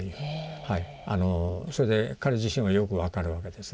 それで彼自身はよく分かるわけですね。